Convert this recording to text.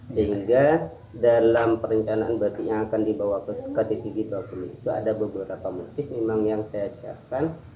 sehingga dalam perencanaan batik yang akan dibawa ke kttg dua puluh itu ada beberapa motif memang yang saya siapkan